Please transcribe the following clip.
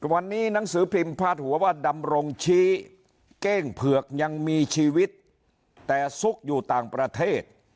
วันนี้หนังสือพิมพ์พาดหัวว่าดำรงชี้เก้งเผือกยังมีชีวิตแต่ซุกอยู่ต่างประเทศ